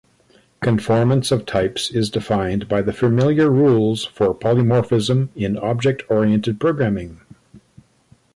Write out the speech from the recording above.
Conformance of types is defined by the familiar rules for polymorphism in object-oriented programming.